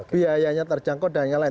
biayanya terjangkau dan yang lain